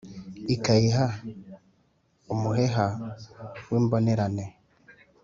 ikayiha umuheha w’imbonerane